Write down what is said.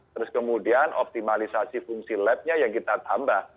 terus kemudian optimalisasi fungsi lab nya yang kita tambah